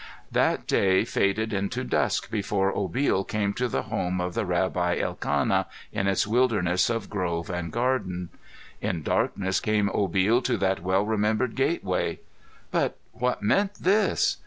That day faded into dusk before Obil came to the home of the Rabbi Elkanah in its wilderness of grove and garden. In darkness came Obil to that well remembered gateway. But what meant this?